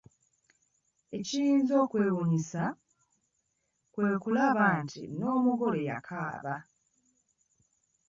Ekiyinza okukwewuunyisa, kwe kulaba nti n'omugole yakaaba.